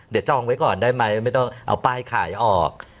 เดี๋ยวจองไว้ก่อนได้ไหมไม่ต้องเอาป้ายขายออก